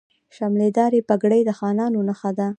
شملې دارې پګړۍ د خانانو نښه ده.